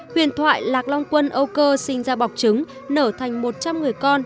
huyền thoại lạc long quân âu cơ sinh ra bọc trứng nở thành một trăm linh người con